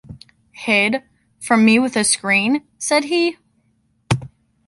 hid ... from me with a screen! said he.